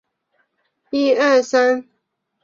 圣博德弥撒中心网站